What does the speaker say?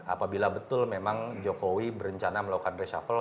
apabila betul memang jokowi berencana melakukan reshuffle